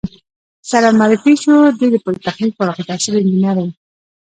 سره معرفي شوو، دی د پولتخنیک فارغ التحصیل انجینر و.